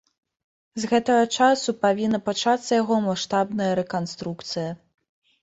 З гэтага часу павінна пачацца яго маштабная рэканструкцыя.